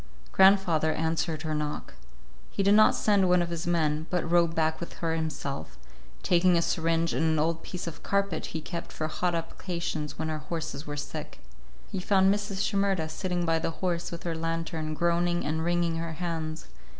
Grandfather answered her knock. He did not send one of his men, but rode back with her himself, taking a syringe and an old piece of carpet he kept for hot applications when our horses were sick. He found Mrs. Shimerda sitting by the horse with her lantern, groaning and wringing her hands.